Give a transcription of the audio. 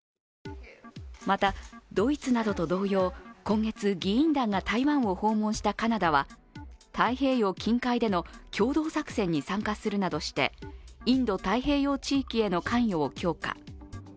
また、ドイツなどと同様今月、議員団が台湾を訪問したカナダは太平洋近海での共同作戦に参加するなどして、インド太平洋地域への関与を強化。